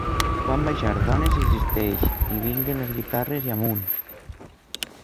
Van baixar dones i cistells i vinguen les guitarres i amunt.